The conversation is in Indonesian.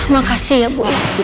makasih ya bu